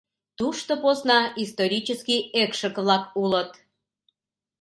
Тушто посна исторический экшык-влак улыт.